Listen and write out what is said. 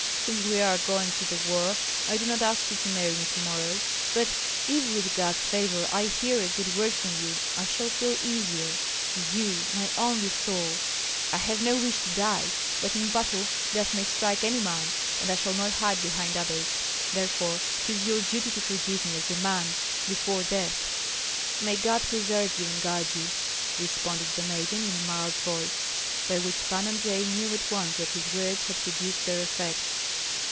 Since we are going to the war, I do not ask you to marry me to morrow; but if with God's favor I hear a good word from you, I shall feel easier, you, my only soul! I have no wish to die; but in battle death may strike any man, and I shall not hide behind others; therefore 'tis your duty to forgive me as a man before death." "May God preserve you and guide you," responded the maiden, in a mild voice, by which Pan Andrei knew at once that his words had produced their effect.